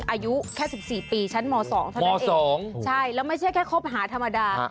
อายุแค่๑๔ปีชั้นม๒เท่านั้นเองใช่แล้วไม่ใช่แค่คบหาธรรมดา